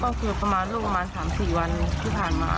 ก็คือประมาณ๓๔วันที่ผ่านมา